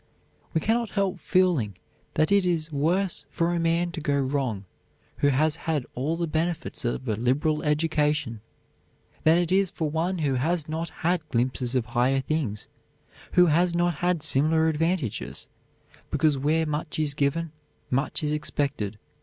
We cannot help feeling that it is worse for a man to go wrong who has had all the benefits of a liberal education, than it is for one who has not had glimpses of higher things, who has not had similar advantages, because where much is given, much is expected.